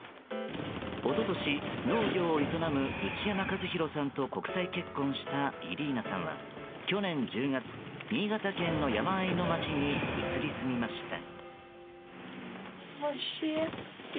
一昨年農業を営む内山一宏さんと国際結婚したイリーナさんは去年１０月新潟県の山あいの町に移り住みました。